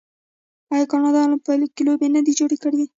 آیا کاناډا المپیک لوبې نه دي جوړې کړي؟